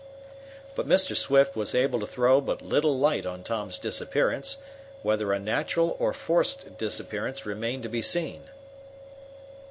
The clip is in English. But Mr. Swift was able to throw but little light on Tom's disappearance whether a natural or forced disappearance remained to be seen.